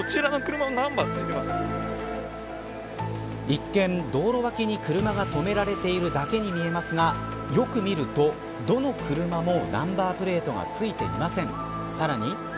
一見、道路脇に車が止められているだけに見えますがよく見ると、どの車もナンバープレートが付いていません。